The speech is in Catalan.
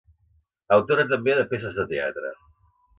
Autora també de peces de teatre.